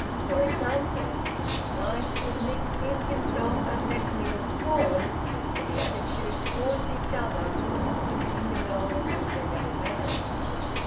For example, he was obliged to admit within himself a lessening of scorn for the attitude toward each other of Miss Ingamells and her young man.